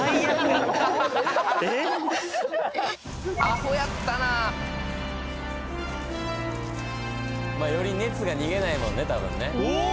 アホやったなまあより熱が逃げないもんね多分ねおおー！